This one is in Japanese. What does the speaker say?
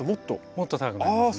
もっと高くなりますね。